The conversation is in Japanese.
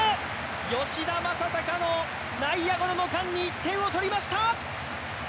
吉田正尚の内野ゴロの間に１点を取りました！